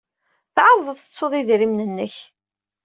Tɛawdeḍ tettuḍ idrimen-nnek.